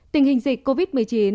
tình hình dịch covid một mươi chín